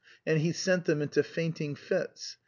And he sent them into fainting fits....